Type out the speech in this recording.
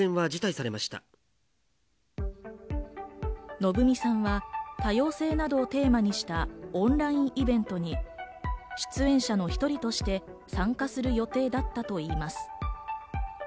のぶみさんは多様性などをテーマにしたオンラインイベントに出演者の一人として参加する予定だったといいます。